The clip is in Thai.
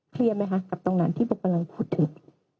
เคลียร์ไหมคะกับตรงนั้นที่โบ๊กพูดถึง